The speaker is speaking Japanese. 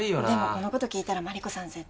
でもこのこと聞いたら万里子さん